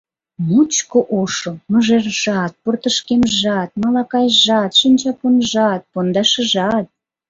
Мучко ошо: мыжержат, портышкемжат, малакайжат, шинчапунжат, пондашыжат.